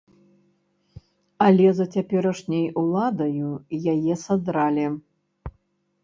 Але за цяперашняй уладаю яе садралі!